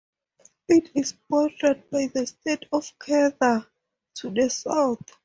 It is bordered by the state of Kedah to the south.